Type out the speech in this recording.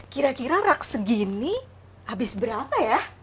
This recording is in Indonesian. kira kira rak segini habis berapa ya